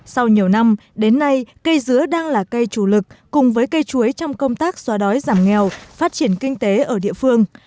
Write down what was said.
sau nhiều năm đến nay cây dứa đang là cây chủ lực cùng với cây chuối trong công tác xóa đói giảm nghèo phát triển kinh tế ở địa phương